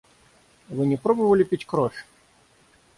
Вы не пробовали пить кровь?